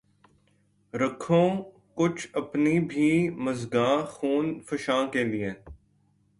رکھوں کچھ اپنی بھی مژگان خوں فشاں کے لیے